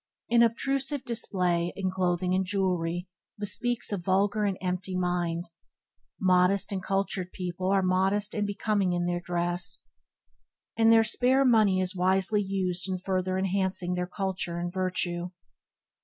An obtrusive display in clothing and jewellery bespeaks a vulgar and empty mind. Modest and cultured people are modest and becoming in their dress, and their spare money is wisely used in further enhancing their culture and virtue.